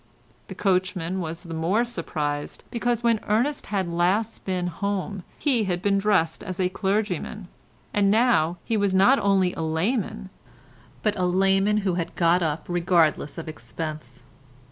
The coachman was the more surprised because when Ernest had last been at home he had been dressed as a clergyman, and now he was not only a layman, but a layman who was got up regardless of expense.